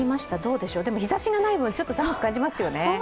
でも、日ざしがない分ちょっと寒く感じますよね。